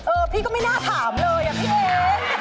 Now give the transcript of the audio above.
พี่ก็ไม่น่าถามเลยอะพี่เอ๊